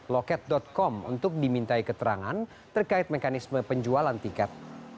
loket com untuk dimintai keterangan terkait mekanisme penjualan tiket